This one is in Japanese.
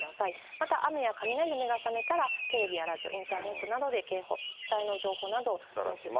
また雨や雷で目が覚めたら、テレビやラジオ、インターネットなどで警報、自治体の情報などを確認してください。